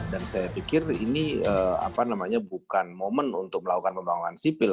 saya pikir ini bukan momen untuk melakukan pembangunan sipil